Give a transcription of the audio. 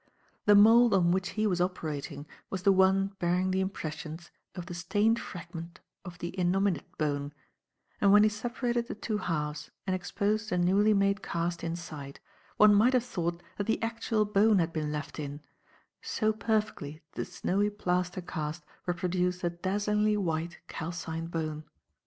The mould on which he was operating was the one bearing the impressions of the stained fragment of the innominate bone, and when he separated the two halves and exposed the newly made cast inside one might have thought that the actual bone had been left in, so perfectly did the snowy plaster cast reproduce the dazzlingly white calcined bone.